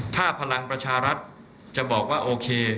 ถ้าพลังประชารัฐจะบอกว่าโอเค